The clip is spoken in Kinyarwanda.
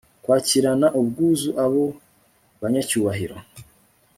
kwakirana ubwuzu abo banyacyubahiro